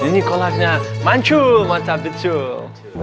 ini kolanya mancul mata betul